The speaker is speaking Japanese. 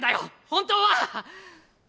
本当は！